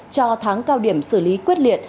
cho tháng cao điểm xử lý quyết liệt